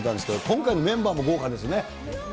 今回のメンバーも豪華ですね。